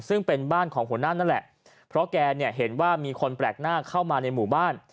ซึ่งเป็นบ้านของหัวหน้านั่นแหละเพราะแกเนี่ยเห็นว่ามีคนแปลกหน้าเข้ามาในหมู่บ้าน